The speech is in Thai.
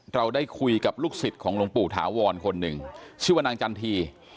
เราได้คุยกับลูกศิษย์ของหลวงปู่ถาวรคนหนึ่งชื่อว่านางจันที